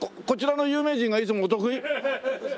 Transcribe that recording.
こちらの有名人がいつもお得意？